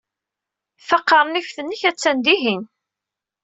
Taqernift-nnek attan dihin.